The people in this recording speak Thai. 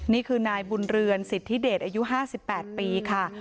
นี่คือนายบุญเรือนสิทธิเดชอายุ๕๘ปีค่ะ